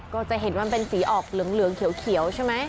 ก็จะเห็นว่ามันเป็นสีออกเหลืองเขียวใช่ไหม